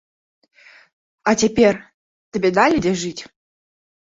А цяпер табе далі дзе жыць?